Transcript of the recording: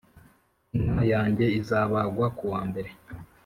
inka yanjye izabagwa kuwa mbere